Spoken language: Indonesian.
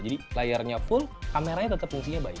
jadi layarnya full kameranya tetap fungsinya baik